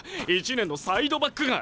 １年のサイドバックが。